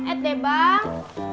eit deh bang